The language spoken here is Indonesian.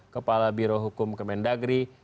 kepala birohukum kemendagri